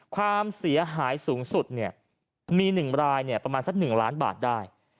ความเสียหายสูงสุดมี๑รายประมาณสัก๑ล้านบาทได้